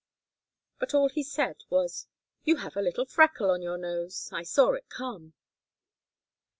But all he said was: "You have a little freckle on your nose. I saw it come."